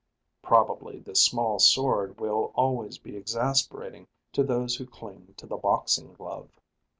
Probably the small sword will always be exasperating to those who cling to the boxing glove.